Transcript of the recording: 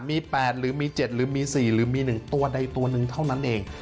มี๘หรือมี๗หรือมี๔หรือมี๑ตัวใดตัวหนึ่งเท่านั้นเอง